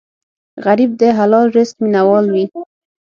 غریب د حلال رزق مینه وال وي